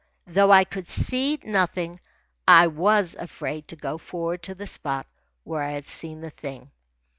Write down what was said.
Though I could see nothing, I was afraid to go for'ard to the spot where I had seen the thing.